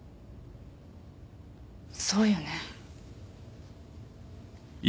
そうよね。